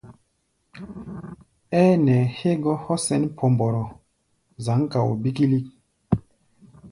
Ɛ́ɛ́ nɛɛ hɛ́gɔ́ hɔ́ sɛn Pɔmbɔrɔ, zǎŋ kao bíkílík.